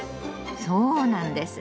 そうなんです。